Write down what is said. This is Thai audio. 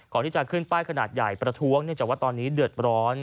ก่อนที่จะขึ้นป้ายขนาดใหญ่ประท้วงเนื่องจากว่าตอนนี้เดือดร้อน